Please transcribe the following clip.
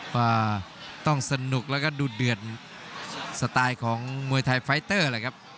ว่าต้องสนุกแล้วก็ดูเดือดสไตล์ของมวยไทยไฟเตอร์เลยครับ